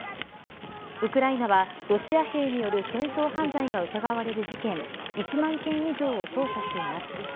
ウクライナはロシア兵による戦争犯罪が疑われる事件１万件以上を捜査しています。